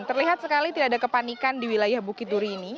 terlihat sekali tidak ada kepanikan di wilayah bukit duri ini